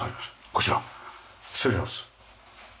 こちら失礼します。